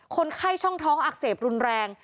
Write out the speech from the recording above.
คนไข้ช่องท้องอักเสบรุนแรง